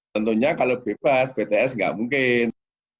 tentunya kalau bebas pts gak mungkin